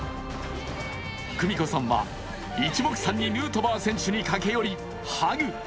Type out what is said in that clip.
久美子さんはいちもくさんにヌートバー選手に駆け寄りハグ。